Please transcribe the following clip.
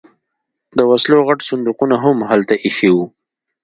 د وسلو غټ صندوقونه هم هلته ایښي وو